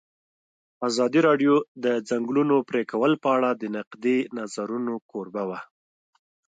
ازادي راډیو د د ځنګلونو پرېکول په اړه د نقدي نظرونو کوربه وه.